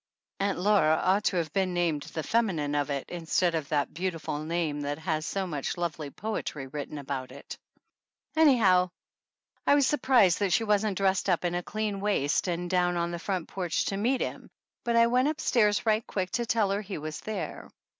Aunt Laura ought to have been named the feminine of it, instead of that beautiful name that has so much lovely poetry written about it. Anyhow, I was surprised that she wasn't dressed up in a clean waist and down on the front porch to meet him, but I went up stairs right quick to tell her he was there.